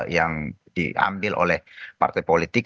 yang diambil oleh partai politik